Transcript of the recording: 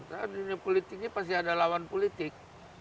karena di dunia politik ini pasti ada lawan politik